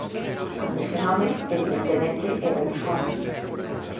Con ese nome, evidentemente era de fóra.